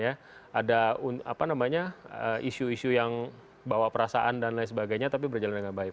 ada apa namanya isu isu yang bawa perasaan dan lain sebagainya tapi berjalan dengan baik